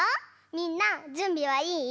みんなじゅんびはいい？